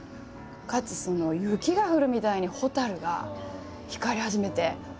かつ雪が降るみたいにホタルが光り始めて。